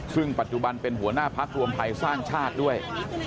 ซึ่งปัจจุบันเป็นหัวหน้าพักรวมไทยสร้างชาติด้วย